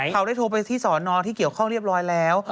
เขาได้โทรไปที่สอนอที่เกี่ยวข้องเรียบร้อยแล้ว